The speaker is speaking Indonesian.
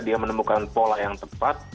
dia menemukan pola yang tepat